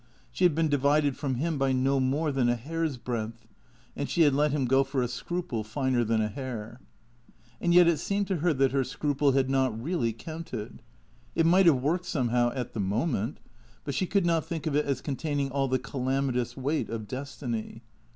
She had been divided from him by no more than a hair's breadth. And she had let him go for a scruple finer than a hair. And yet it seemed to her that her scruple had not really counted. It might have worked, somehow, at the moment; but she could not think of it as containing all the calamitous weight of destiny.